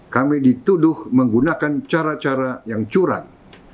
kami dituduh menggunakan cara cara yang curang